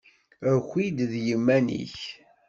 Aki-d d yiman-ik!